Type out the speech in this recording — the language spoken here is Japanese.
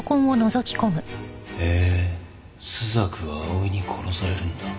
へえ朱雀は葵に殺されるんだ。